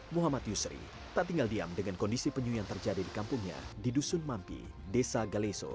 muhammad yusri tak tinggal diam dengan kondisi penyu yang terjadi di kampungnya di dusun mampi desa galeso